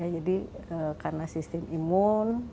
jadi karena sistem imun